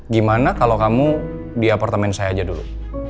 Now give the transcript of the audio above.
gimana kalau kamu di apartemen saya aja dulu